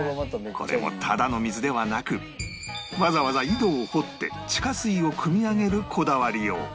これもただの水ではなくわざわざ井戸を掘って地下水をくみ上げるこだわりよう